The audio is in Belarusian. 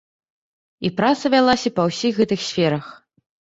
І праца вялася па ўсіх гэтых сферах.